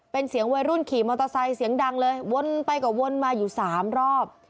เป็นเสียงวัยรุ่นขี่มอเตอร์ไซค์เสียงดังเลยวนไปกว่าวนมาอยู่สามรอบ